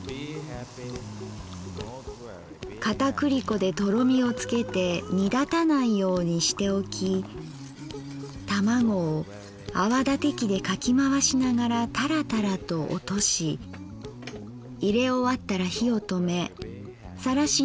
片栗粉でとろみをつけて煮だたないようにしておき玉子を泡立て器でかきまわしながらタラタラと落としいれ終わったら火をとめさらし